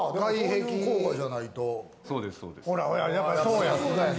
そうです。